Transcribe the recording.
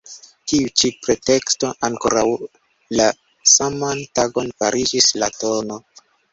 Tiu ĉi preteksto ankoraŭ la saman tagon fariĝis la tn.